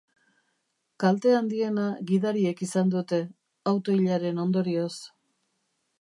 Kalte handiena gidariek izan dute, auto-ilaren ondorioz.